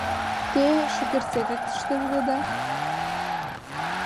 Те шукертсек тыште улыда?